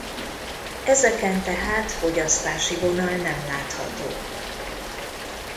Ezeken tehát fogyasztási vonal nem látható.